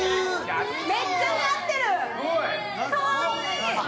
めっちゃ似合ってる、かわいい。